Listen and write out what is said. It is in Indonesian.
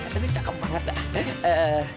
tapi cakep banget ah